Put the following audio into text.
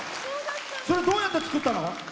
それ、どうやって作ったの？